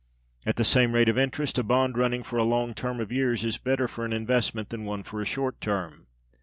At the same rate of interest, a bond running for a long term of years is better for an investment than one for a short term.